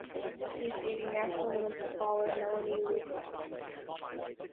He is dating national women’s footballer Melanie Leupolz.